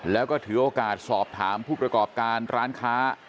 แล้วก็ถือโอกาสสอบถามผู้ประกอบการร้านค้า